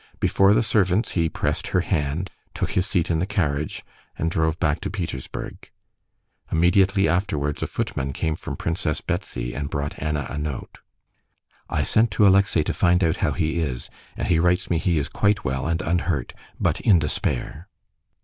Before the servants he pressed her hand, took his seat in the carriage, and drove back to Petersburg. Immediately afterwards a footman came from Princess Betsy and brought Anna a note. "I sent to Alexey to find out how he is, and he writes me he is quite well and unhurt, but in despair."